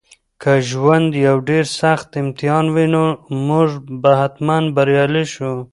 که ژوند یو ډېر سخت امتحان وي نو موږ به حتماً بریالي شو.